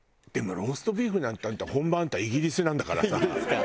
でもローストビーフなんて本場はイギリスなんだからさ。